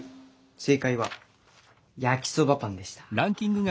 正解は焼きそばパンでした。